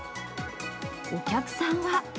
お客さんは。